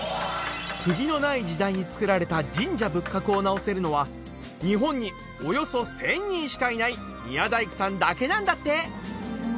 クギのない時代に造られた神社仏閣を直せるのは日本におよそ１０００人しかいない宮大工さんだけなんだって